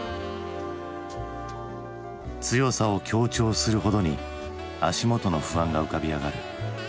強さを強調するほどに足元の不安が浮かび上がる。